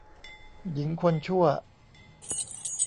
หญิงคนชั่ว